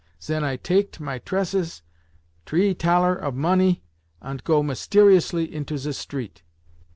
Zen I taket my tresses, tree Thaler of money, ant go mysteriously into ze street.